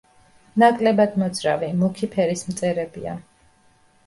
ნაკლებად მოძრავი, მუქი ფერის მწერებია.